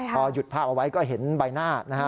พอหยุดภาพเอาไว้ก็เห็นใบหน้านะฮะ